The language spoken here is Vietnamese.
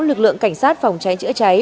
lực lượng cảnh sát phòng cháy chữa cháy